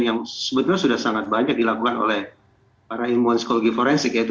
yang sebetulnya sudah sangat banyak dilakukan oleh para ilmuwan psikologi forensik yaitu